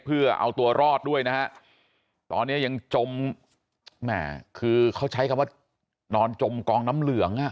เพื่อเอาตัวรอดด้วยนะฮะตอนนี้ยังจมแม่คือเขาใช้คำว่านอนจมกองน้ำเหลืองอ่ะ